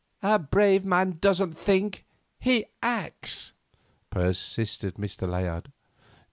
"A brave man doesn't think, he acts," persisted Mr. Layard.